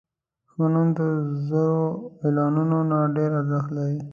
ښه نوم د زرو اعلانونو نه ډېر ارزښت لري.